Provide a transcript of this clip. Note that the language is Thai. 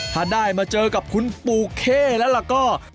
ถ้าได้มาเจอกับคุณปูเข้แล้วล่ะก็